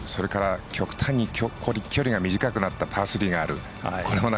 それから極端に極端に距離が短くなったパー３がある。